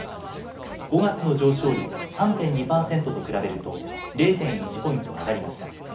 ５月の上昇率、３．２％と比べると０．１ポイント上がりました。